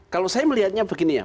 kalau saya melihatnya begini ya